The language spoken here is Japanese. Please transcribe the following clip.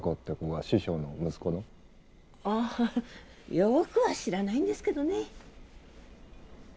よくは知らないんですけどね。